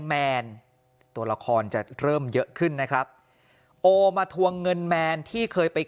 แมนตัวละครจะเริ่มเยอะขึ้นนะครับโอมาทวงเงินแมนที่เคยไป